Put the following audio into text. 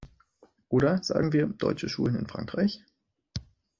Oder, sagen wir, deutsche Schulen in Frankreich?